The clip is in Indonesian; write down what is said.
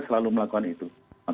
selalu melakukan itu